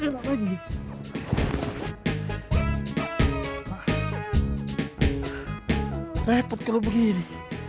lepet kalau begini